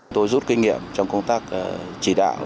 tôi rút kinh nghiệm trong công tác chỉ đạo